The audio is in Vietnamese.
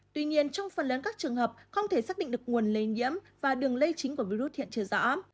tuy nhiên trong phần lớn các trường hợp không thể xác định được nguồn lây nhiễm và đường lây chính của virus hiện chưa rõ